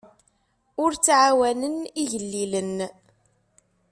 Ur ttɛawanen igellilen.